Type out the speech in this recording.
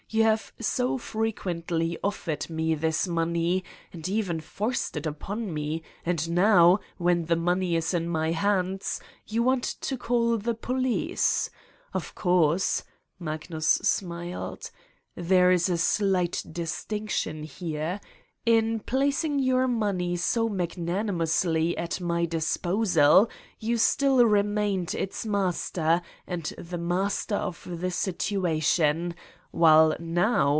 You have so fre quently offered me this money and even forced it upon me and now, when the money is in my hands, you want to call the police ! Of course/' Magnus smiled "there is a slight distinction here: in placing your money so magnanimously at my dis posal, you still remained its master and the mas ter of the situation, while now